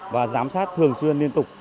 và giám sát thường xuyên liên tục